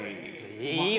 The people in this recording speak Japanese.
いいよ